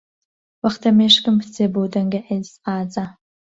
وەختە مێشکم بچێ بەو دەنگە ئیزعاجە.